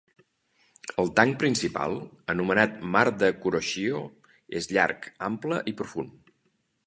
El tanc principal, anomenat mar de Kuroshio, és llarg, ample i profund.